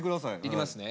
いきますね。